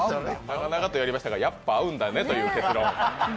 長々とやりましたが、やっぱ合うんだねという結論。